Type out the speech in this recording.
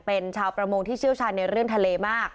เป็นชาวประมงที่เชี่ยวชาญในเรื่องทะเลมาก